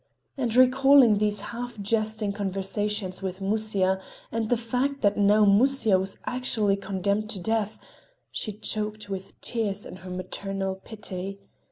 And recalling these half jesting conversations with Musya, and the fact that now Musya was actually condemned to death, she choked with tears in her maternal pity.